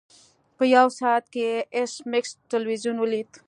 په یو ساعت کې ایس میکس تلویزیون لیده